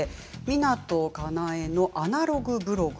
「湊かなえのアナログブログ」。